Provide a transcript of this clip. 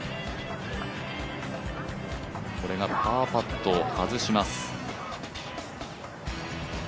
これがパーパット、外します。